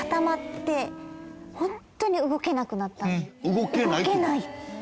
動けないと？